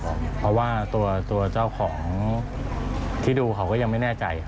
ใช่ครับเพราะว่าตัวตัวเจ้าของที่ดูเขาก็ยังไม่แน่ใจ